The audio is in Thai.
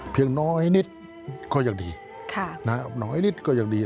น้อยนิดก็ยังดีน้อยนิดก็ยังดี